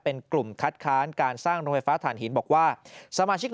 เป็นกลุ่มคัดค้านการสร้างโรงไฟฟ้าฐานหินบอกว่าสมาชิก